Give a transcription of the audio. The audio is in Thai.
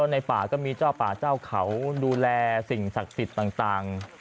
ในป่าก็มีเจ้าป่าเจ้าเขาดูแลสิ่งศักดิ์สิทธิ์ต่าง